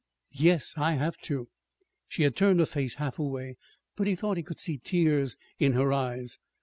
"Yes, I have to." She had turned her face half away, but he thought he could see tears in her eyes.